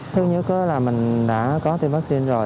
thứ nhất là mình đã có tiền vaccine rồi